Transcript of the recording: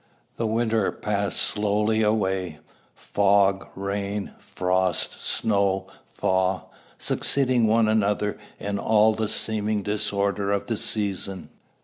The winter passed slowly away, fog, rain, frost, snow, thaw, succeeding one another in all the seeming disorder of the season.